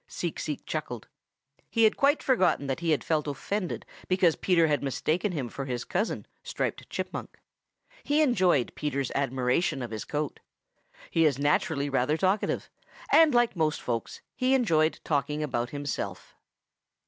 Seek Seek chuckled. He had quite forgotten that he had felt offended because Peter had mistaken him for his cousin, Striped Chipmunk. He enjoyed Peter's admiration of his coat. He is naturally rather talkative, and like most folks he enjoyed talking about himself.